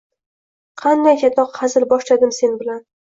qanday chatoq hazil boshladim sen bilan...